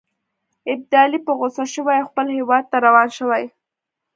ابدالي په غوسه شوی او خپل هیواد ته روان شوی.